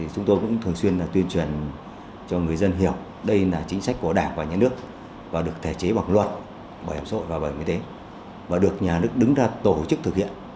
chúng tôi cũng thường xuyên tuyên truyền cho người dân hiểu đây là chính sách của đảng và nhà nước và được thể chế bằng luật bảo hiểm xã hội và bảo hiểm y tế và được nhà nước đứng ra tổ chức thực hiện